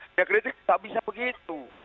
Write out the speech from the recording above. saya kritik tidak bisa begitu